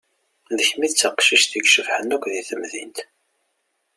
D kemm i d taqcict i icebḥen akk g temdint.